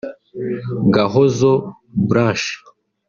Gahozo Blanche